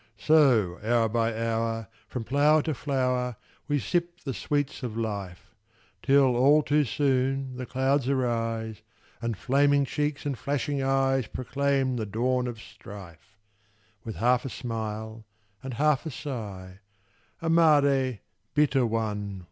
So, hour by hour, from flower to flower, We sip the sweets of Life: Till, all too soon, the clouds arise, And flaming cheeks and flashing eyes Proclaim the dawn of strife: With half a smile and half a sigh, "_Amare! Bitter One!